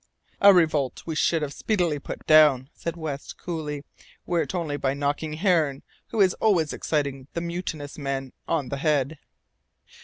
"A revolt we should have speedily put down," said West, coolly, "were it only by knocking Hearne, who is always exciting the mutinous men, on the head."